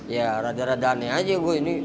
ya rada radanya aja gue ini